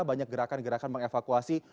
banyak gerakan gerakan mengevakuasi